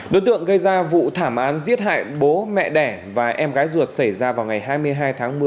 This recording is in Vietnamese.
đối tượng gây ra vụ thảm án giết hại bố mẹ đẻ và em gái ruột xảy ra vào ngày hai mươi hai tháng một mươi